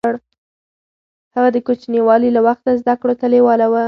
هغه د کوچنيوالي له وخته زده کړو ته لېواله و.